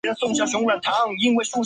所以我跟你同房吗？